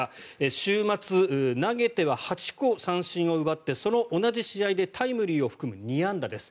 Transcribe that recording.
週末、投げては８個三振を奪ってその同じ試合でタイムリーを含む２安打です。